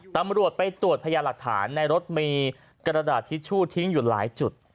ตำรวจไปตรวจพยาหลักฐานในรถมีกระดาษทิชชู่ทิ้งอยู่หลายจุด